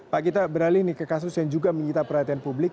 pak gita beralih ke kasus yang juga menggita perhatian publik